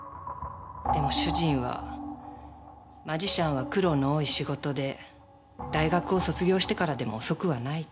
でも主人はマジシャンは苦労の多い仕事で大学を卒業してからでも遅くはないと。